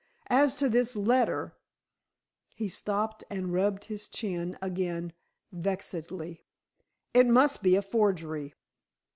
As to this letter " He stopped and rubbed his chin again vexedly. "It must be a forgery."